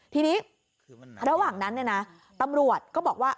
ทีนี้ระหว่างนั้นตำรวจก็บอกว่า